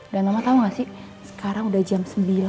dan mama tau gak sih sekarang udah jam sembilan